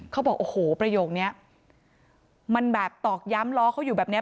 เขาบอกโอ้โหประโยคนี้มันแบบตอกย้ำล้อเขาอยู่แบบเนี้ย